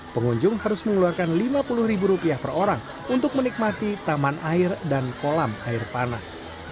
pengunjung harus mengeluarkan lima puluh ribu rupiah per orang untuk menikmati taman air dan kolam air panas